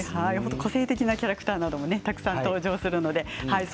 個性的なキャラクターもたくさん登場しますね。